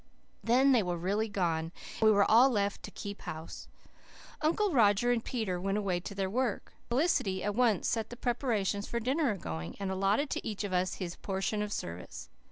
Then they were really gone and we were all left "to keep house." Uncle Roger and Peter went away to their work. Felicity at once set the preparations for dinner a going, and allotted to each of us his portion of service.